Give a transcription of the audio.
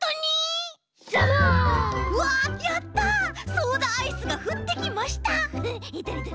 ソーダアイスがふってきました！